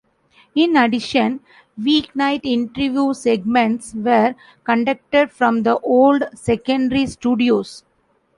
In addition, weeknight interview segments were conducted from the old secondary studios.